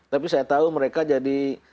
tapi saya tahu mereka jadi